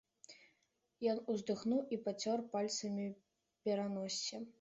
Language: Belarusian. Ён уздыхнуў і пацёр пальцамі пераноссе.